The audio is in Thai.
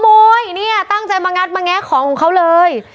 เนี่ยตั้งใจมางัดมาแงะของของเขาเลย